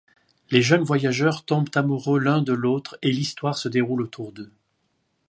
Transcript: Les jeunes voyageurs tombent amoureux l'un de l'autre et l'histoire se déroule autour d'eux.